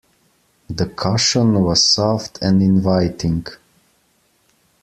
The cushion was soft and inviting.